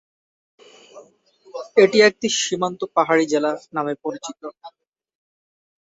এটি একটি সীমান্ত পাহাড়ী জেলা নামে পরিচিত।